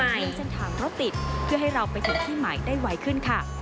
ชี้เส้นทางรถติดเพื่อให้เราไปถึงที่ใหม่ได้ไวขึ้นค่ะ